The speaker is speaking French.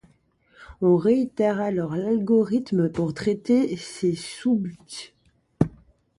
On réitère alors l'algorithme pour traiter ces sous-buts.